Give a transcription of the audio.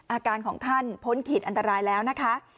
อาการของท่านพ้นขีดอันตรายแล้วนะคะ